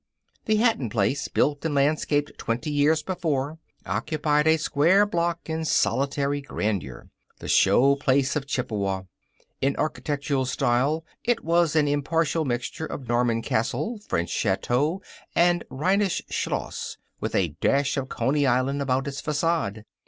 The Hatton place, built and landscaped twenty years before, occupied a square block in solitary grandeur, the show place of Chippewa. In architectural style it was an impartial mixture of Norman castle, French chateau, and Rhenish schloss, with a dash of Coney Island about its facade.